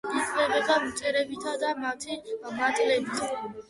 იკვებება მწერებითა და მათი მატლებით.